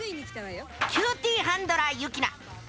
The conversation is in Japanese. キューティーハンドラーユキナ。